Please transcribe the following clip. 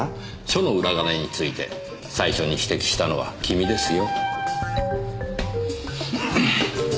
署の裏金について最初に指摘したのは君ですよ。